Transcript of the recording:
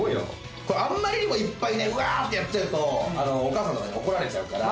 あんまりにもいっぱいねうわってやっちゃうとお母さんとかに怒られちゃうから。